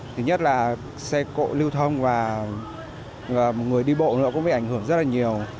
thứ nhất là xe cộ lưu thông và người đi bộ nó cũng bị ảnh hưởng rất là nhiều